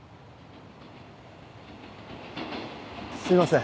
すいません